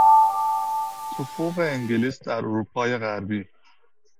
تفوق انگلیس در اروپای غربی